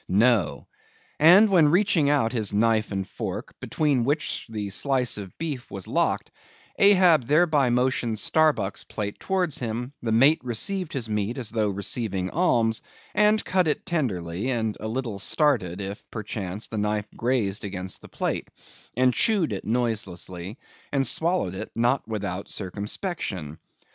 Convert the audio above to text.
No! And when reaching out his knife and fork, between which the slice of beef was locked, Ahab thereby motioned Starbuck's plate towards him, the mate received his meat as though receiving alms; and cut it tenderly; and a little started if, perchance, the knife grazed against the plate; and chewed it noiselessly; and swallowed it, not without circumspection.